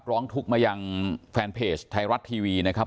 ร้องทุกข์มายังแฟนเพจไทยรัฐทีวีนะครับ